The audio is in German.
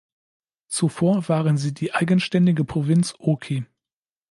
Zuvor waren sie die eigenständige Provinz Oki.